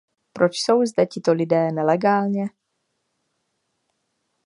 Proč jsou zde tito lidé nelegálně?